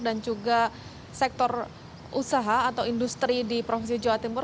dan juga sektor usaha atau industri di provinsi jawa timur